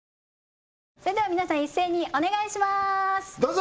それでは皆さん一斉にお願いします！